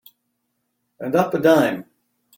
And up a dime.